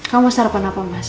kamu sarapan apa mas